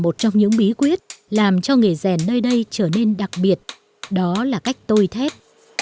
một trong những bí quyết làm cho nghề rèn nơi đây trở nên đặc biệt đó là cách tôi thép